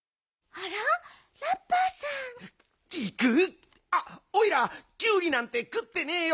あっおいらキュウリなんてくってねえよ。